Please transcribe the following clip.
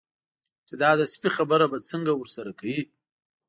چې دا د سپي خبره به څنګه ورسره کوي.